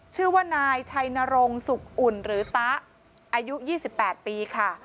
ชื่อว่านายชัยนรงสุขอุ่นหรือตะอายุ๒๘ปีค่ะ